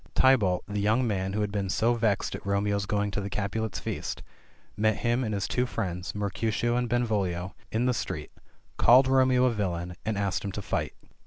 Tybalt, the young man who had been so vexed at Romeo's going to the Capulet's feast, met him and his two friends, Mercutio and Benvolio, in the street, called Romeo a villain, and asked him to fight.